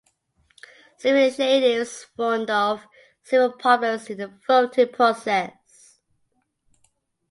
Civil initiatives warned of several problems in the voting process.